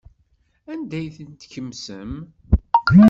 Anda ay ten-tkemsem?